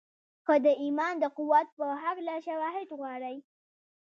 که د ايمان د قوت په هکله شواهد غواړئ.